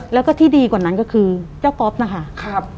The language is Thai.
แล้วก็ที่ดีกว่านั้นก็คือเจ้าป๊อปนะคะ